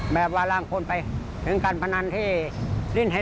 แบบว่าร่างคนไปถึงการพนันให้